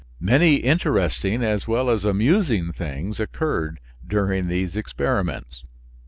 Many interesting as well as amusing things occurred during these experiments.